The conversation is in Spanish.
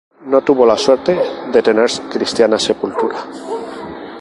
No tuvo la suerte de tener cristiana sepultura.